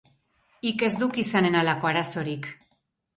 Hik ez duk izanen halako arazorik.